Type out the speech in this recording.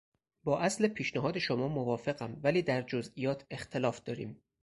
با اصل پیشنهاد شما موافقیم ولی در جزئیات اختلاف داریم.